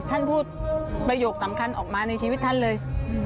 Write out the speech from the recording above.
ท่านพูดประโยคสำคัญออกมาในชีวิตท่านเลย